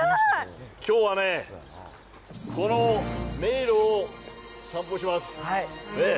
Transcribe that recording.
きょうはね、この迷路を散歩します。